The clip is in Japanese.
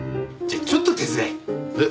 じゃあちょっと手伝え。